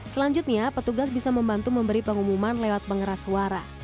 selanjutnya petugas bisa membantu memberi pengumuman lewat pengeras suara